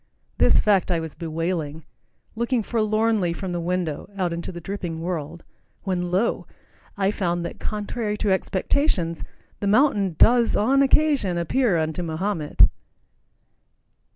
This fact I was bewailing, looking forlornly from the window out into the dripping world, when lo, I found that, contrary to expectations, the mountain does on occasion appear unto Mahomet!